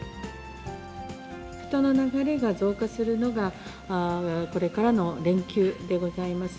人の流れが増加するのがこれからの連休でございます。